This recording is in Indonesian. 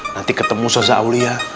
nanti ketemu sosa aulia